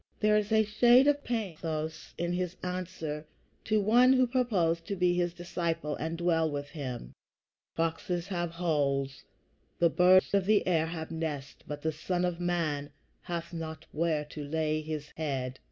There is a shade of pathos in his answer to one who proposed to be his disciple and dwell with him: "Foxes have holes; the birds of the air have nests; but the Son of man hath not where to lay his head."